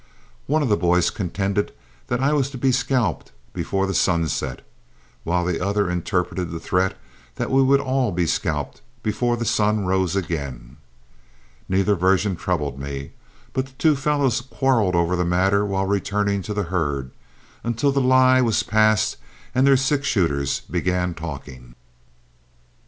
One of the boys contended that I was to be scalped before the sun set, while the other interpreted the threat that we would all he scalped before the sun rose again. Neither version troubled me, but the two fellows quarreled over the matter while returning to the herd, until the lie was passed and their six shooters began talking.